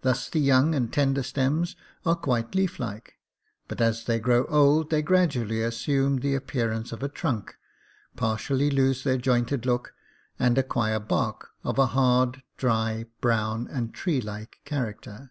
Thus the young and tender stems are quite leaf like ; but as they grow old they gradually assume the appearance of a trunk, partially lose their jointed look, and ac quire bark of a hard, dry, brown, and tree like character.